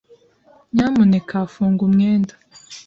Nyamuneka funga umwenda.